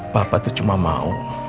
papa tuh cuma mau